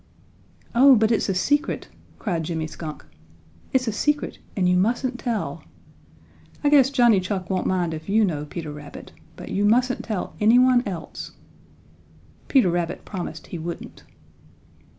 "Oh, but it's a secret!" cried Jimmy Skunk. "It's a secret, and you mustn't tell. I guess Johnny Chuck won't mind if you know, Peter Rabbit, but you mustn't tell any one else." Peter Rabbit promised he wouldn't.